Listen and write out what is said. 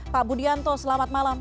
pak budianto selamat malam